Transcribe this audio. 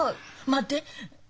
待って。